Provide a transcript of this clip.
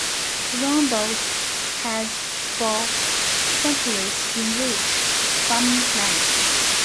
Crondall has for centuries been rich farming land.